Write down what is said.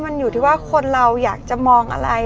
มันอยู่ที่ว่าคนเราอยากจะมองอะไร